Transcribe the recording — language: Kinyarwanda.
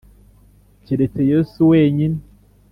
keretse Yesu wenyine